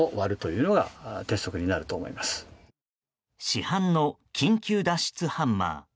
市販の緊急脱出ハンマー。